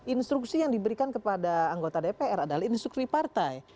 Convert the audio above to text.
instruksi yang diberikan kepada anggota dpr adalah instruksi partai